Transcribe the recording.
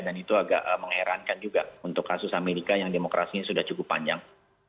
itu agak mengherankan juga untuk kasus amerika yang demokrasinya sudah cukup panjang